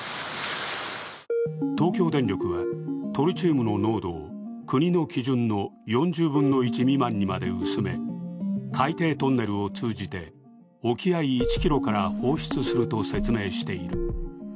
東京電力はトリチウムの濃度を国の基準の４０分の１未満にまで薄め海底トンネルを通じて、沖合１ｋｍから放出すると説明している。